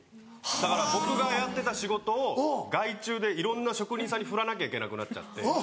だから僕がやってた仕事を外注でいろんな職人さんに振らなきゃいけなくなっちゃって。